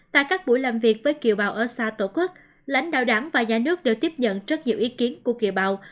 tại các buổi làm việc với kiều bào ở xa tổ quốc lãnh đạo đảng và nhà nước đều tiếp nhận rất nhiều ý kiến của kiều bào